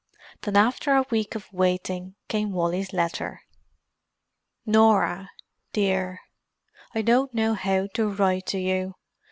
Then, after a week of waiting, came Wally's letter. "Norah, Dear,— "I don't know how to write to you.